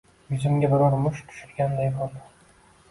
Yuzimga birov musht tushirganday bo‘ldi